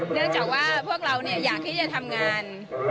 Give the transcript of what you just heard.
เนื่องจากว่าพวกเราอยากที่จะทำงาน